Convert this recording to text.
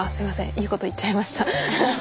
いいこと言っちゃいました。